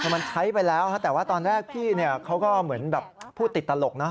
คือมันใช้ไปแล้วแต่ว่าตอนแรกพี่เขาก็เหมือนแบบพูดติดตลกนะ